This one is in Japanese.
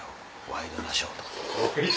『ワイドナショー』とか。